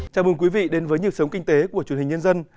chào mừng quý vị đến với nhịp sống kinh tế của truyền hình nhân dân